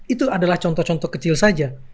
itu adalah contoh contoh kecil saja